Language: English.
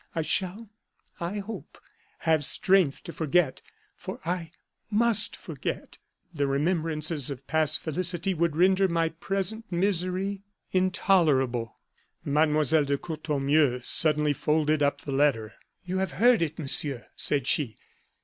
I shall, I hope, have strength to forget, for I must forget! The remembrances of past felicity would render my present misery intolerable.'" Mlle. de Courtornieu suddenly folded up the letter. "You have heard it, Monsieur," said she.